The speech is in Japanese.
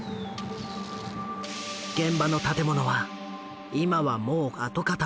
現場の建物は今はもう跡形もない。